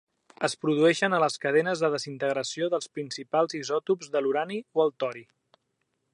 Es produeixen a les cadenes de desintegració dels principals isòtops de l'urani o el tori.